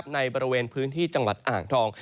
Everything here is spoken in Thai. ในบริเวณพื้นที่จังหวัดอ่างทอง